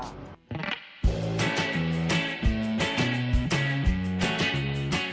kenapa revitalisasi trotoar ini